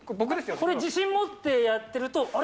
それ、自信持ってやってると、あれ？